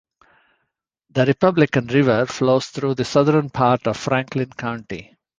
The Republican River flows through the southern part of Franklin County.